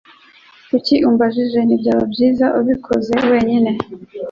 Kuki umbajije? Ntibyaba byiza ubikoze wenyine?